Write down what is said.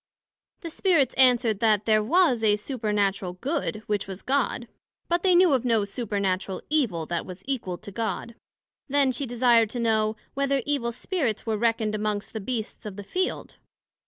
The Spirits answered, That there was a Supernatural Good, which was God; but they knew of no Supernatural Evil, that was equal to God. Then she desired to know, Whether Evil Spirits were reckoned amongst the Beasts of the Field?